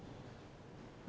え。